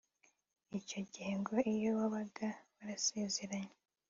Icyo gihe ngo iyo wabaga warasezeranye